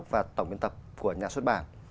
sẽ là giám đốc và tổng viên tập của nhà xuất bản